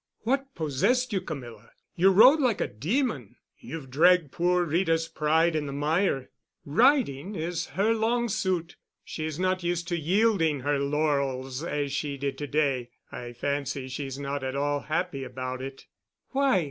"What possessed you, Camilla? You rode like a demon. You've dragged poor Rita's pride in the mire. Riding is her long suit. She's not used to yielding her laurels as she did to day. I fancy she's not at all happy about it." "Why?"